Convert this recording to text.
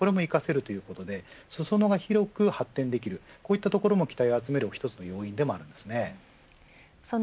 これも生かせるということで裾野が広く発展できるこういったところも期待を集める一つの要因でもあるんですね。